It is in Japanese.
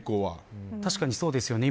確かにそうですよね。